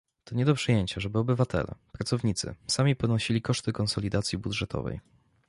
To nie do przyjęcia, żeby obywatele, pracownicy, sami ponosili koszty konsolidacji budżetowej